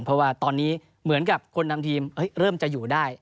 เพราะว่าตอนนี้เหมือนกับคนนำทีมเริ่มจะอยู่ได้